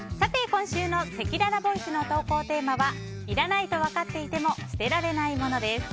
今週のせきららボイスの投稿テーマはいらないと分かっていても捨てられない物です。